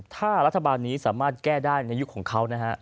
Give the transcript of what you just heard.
ถ้ารัฐบาลนี้สามารถแก้ได้ในยุคของเขานะฮะ